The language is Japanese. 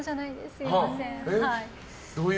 すみません。